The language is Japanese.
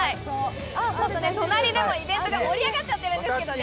隣でもイベントが盛り上がっちゃってるんですけどね。